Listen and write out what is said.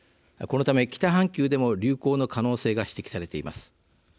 このため北半球でも流行の可能性が指摘されています。